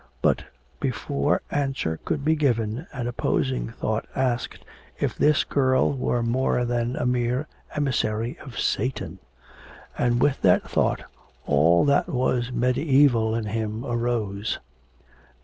But before answer could be given an opposing thought asked if this girl were more than a mere emissary of Satan; and with that thought all that was mediaeval in him arose.